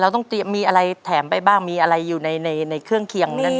ต้องเตรียมมีอะไรแถมไปบ้างมีอะไรอยู่ในเครื่องเคียงนั่นเอง